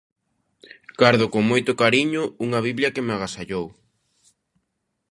Gardo con moito cariño unha Biblia que me agasallou.